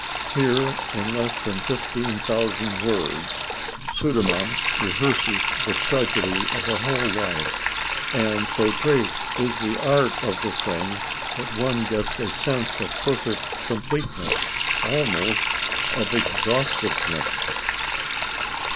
Here, in less than fifteen thousand words, Sudermann rehearses the tragedy of a whole life, and so great is the art of the thing that one gets a sense of perfect completeness, almost of exhaustiveness....